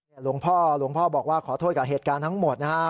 หลวงพ่อหลวงพ่อบอกว่าขอโทษกับเหตุการณ์ทั้งหมดนะฮะ